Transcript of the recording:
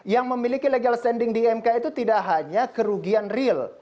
yang memiliki legal standing di mk itu tidak hanya kerugian real